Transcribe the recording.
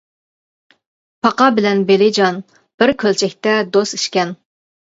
پاقا بىلەن بېلىجان، بىر كۆلچەكتە دوست ئىكەن.